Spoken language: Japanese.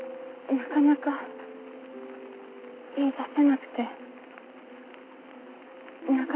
なかなかわた渡せなくて。